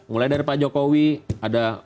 mulai dari pak jokowi ada